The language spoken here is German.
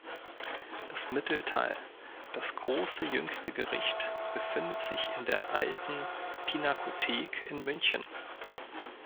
Das Mittelteil, "Das Große Jüngste Gericht", befindet sich in der Alten Pinakothek in München.